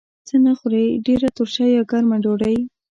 څه نه خورئ؟ ډیره تروشه یا ګرمه ډوډۍ